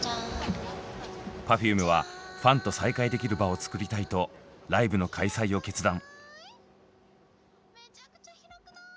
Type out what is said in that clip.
Ｐｅｒｆｕｍｅはファンと再会できる場をつくりたいとライブの開催を決断。